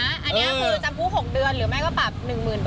อันนี้คือจำคุก๖เดือนหรือไม่ก็ปรับ๑๐๐๐บาท